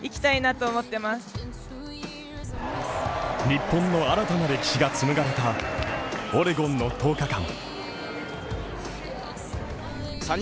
日本の新たな歴史が紡がれたオレゴンの１０日間。